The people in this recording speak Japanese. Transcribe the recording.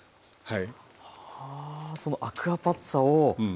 そのアクアパッツァを。